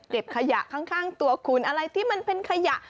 ขยะข้างตัวคุณอะไรที่มันเป็นขยะ